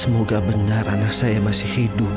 semoga benar anak saya masih hidup